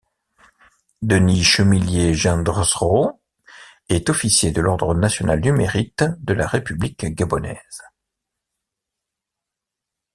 Denis Chemillier-Gendsreau est officier de l'ordre national du Mérite de la République gabonaise.